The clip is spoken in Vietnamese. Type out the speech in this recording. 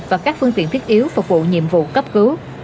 và các phương tiện thiết yếu phục vụ nhiệm vụ cấp cứu